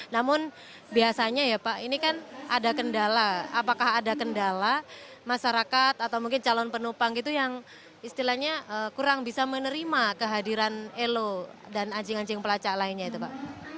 namun biasanya ya pak ini kan ada kendala apakah ada kendala masyarakat atau mungkin calon penumpang gitu yang istilahnya kurang bisa menerima kehadiran elo dan anjing anjing pelacak lainnya itu pak